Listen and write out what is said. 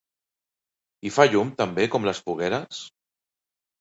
—I fa llum, també, com les fogueres?